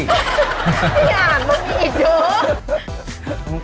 พี่อ่านต้องทำอีกเดือด